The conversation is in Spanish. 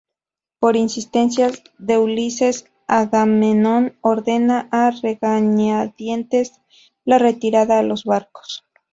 Por insistencia de Ulises, Agamenón ordena a regañadientes la retirada a los barcos.